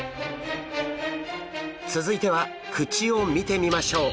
続いては口を見てみましょう。